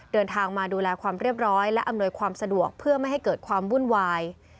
เดินทางมาดูแลความเรียบร้อยและอำนวยความสะดวกเพื่อไม่ให้เกิดความวุ่นวาย